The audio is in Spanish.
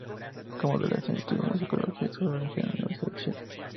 Como adolescente estudió Musicología y Sociología en la Universidad de Chile.